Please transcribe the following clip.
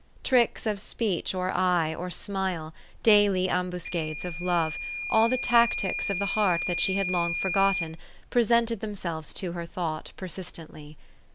Tricks of speech or eye or smile, daily ambuscades of love, all the tactics of the heart that she had long for gotten, presented themselves to her thought persist ently.